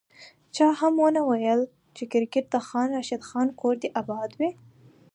چا هم ونه ویل چي کرکیټ د خان راشد خان کور دي اباد وي